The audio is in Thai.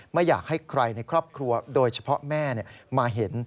ไม่อยากให้ใครในครอบครัวโดยเฉพาะแม่มาเห็น